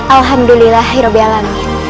alhamdulillah iroh biar lamin